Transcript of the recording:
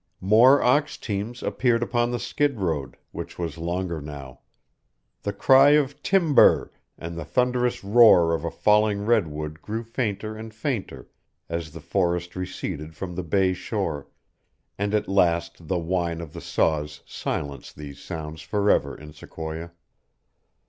More ox teams appeared upon the skid road, which was longer now; the cry of "Timber r r!" and the thunderous roar of a falling redwood grew fainter and fainter as the forest receded from the bay shore, and at last the whine of the saws silenced these sounds forever in Sequoia.